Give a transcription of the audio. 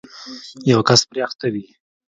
یو کس پرې اخته وي